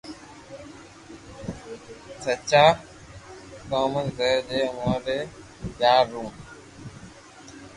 سچا دوست ري جي اووہ ري پيار رو